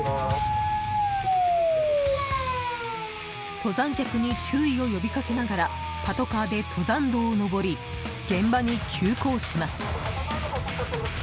登山客に注意を呼びかけながらパトカーで登山道を登り現場に急行します。